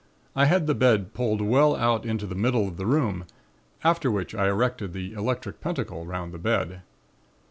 I had the bed pulled well out into the middle of the room, after which I erected the electric pentacle 'round the bed.